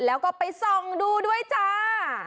แล้วก็ไปส่องดูด้วยจ้า